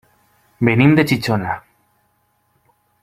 Venim de Xixona.